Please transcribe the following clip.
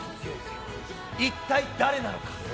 一体、誰なのか。